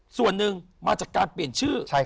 ส่วนหนึ่งมาจากการเปลี่ยนชื่อ